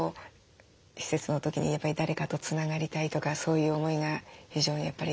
施設の時にやっぱり誰かとつながりたいとかそういう思いが非常にやっぱり。